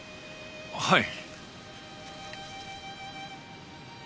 はい。